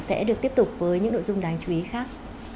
sẽ được tiếp tục với những nội dung đáng chú ý khác